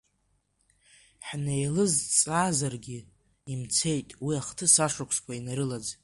Ҳнеилыҵзаргьы, имцеит уи ахҭыс ашықәсқәа инарылаӡ.